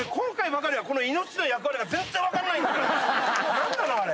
何なの⁉あれ！